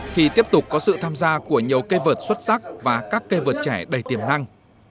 khi tiếp tục có sự tham gia của nhiều cây vượt xuất sắc và các cây vượt trẻ đầy tiềm năng